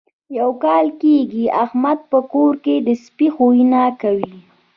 یو کال کېږي احمد په کور کې سپي خویونه کوي.